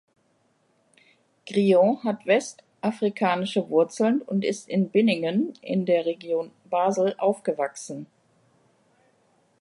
Griot hat westafrikanische Wurzeln und ist in Binningen in der Region Basel aufgewachsen.